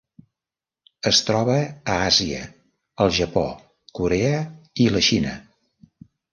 Es troba a Àsia: el Japó, Corea i la Xina.